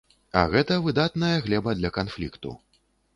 А гэтая выдатная глеба для канфлікту.